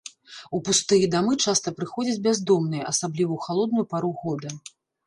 У пустыя дамы часта прыходзяць бяздомныя, асабліва ў халодную пару года.